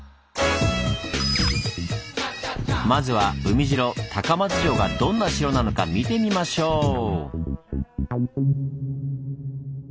まずは海城・高松城がどんな城なのか見てみましょう！